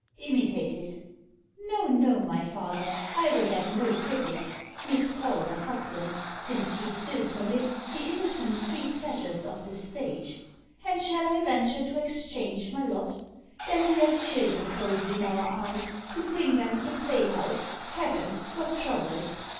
IMITATED. No, no, my father, I will have no critic, (Miscalled a husband) since you still permit The innocent sweet pleasures of the stage; And shall I venture to exchange my lot? Then we have children folded in our arms To bring them to the play house; heavens! what troubles!